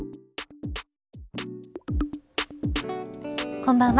こんばんは。